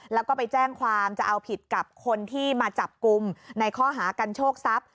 แล้วก็ไปแจ้งความจะเอาผิดกับคนที่มาจับกลุ่มในข้อหากันโชคทรัพย์